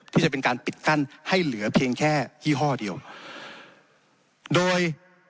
ที่จะเป็นการปิดกั้นให้เหลือเพียงแค่ยี่ห้อเดียวโดย